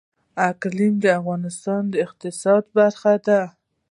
اقلیم د افغانستان د اقتصاد برخه ده.